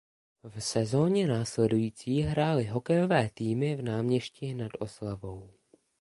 V sezóně následující hrály hokejové týmy v Náměšti nad Oslavou.